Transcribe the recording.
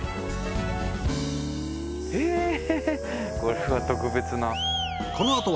えこれは特別な。